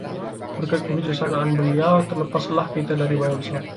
berkat kebijaksanaan beliau, terlepaslah kita dari bahaya besar